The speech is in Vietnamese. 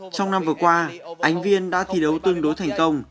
trong năm vừa qua ánh viên đã thi đấu tương đối thành công